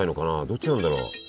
どっちなんだろう？